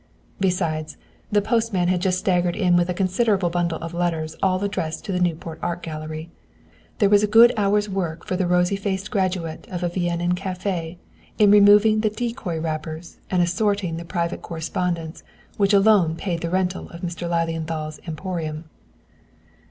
Besides, the postman had just staggered in with a considerable bundle of letters all addressed to the Newport Art Gallery. There was a good hour's work for the rosy faced graduate of a Viennan cafe in removing the decoy wrappers and assorting the private correspondence which alone paid the rental of Mr. Lilienthal's "emporium."